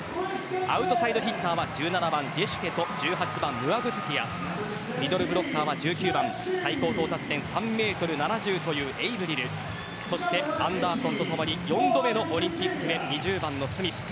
アウトサイドヒッターは１７番ジェシュケと１８番ムアグトゥティアミドルブロッカーは１９番最高到達点３メートル７０というエイブリルそして、アンダーソンとともに４度目のオリンピックへ２０番のスミス。